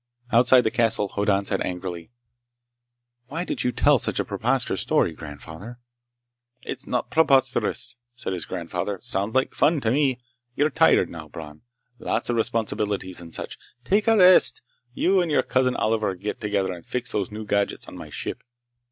Outside the castle, Hoddan said angrily: "Why did you tell such a preposterous story, grandfather?" "It's not preposterous," said his grandfather. "Sounds like fun, to me! You're tired now, Bron. Lots of responsibilities and such. Take a rest. You and your Cousin Oliver get together and fix those new gadgets on my ship.